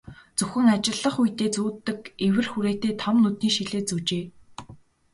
Зөвхөн ажиллах үедээ зүүдэг эвэр хүрээтэй том нүдний шилээ зүүжээ.